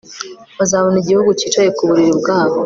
bazabona igihugu cyicaye ku buriri bwabo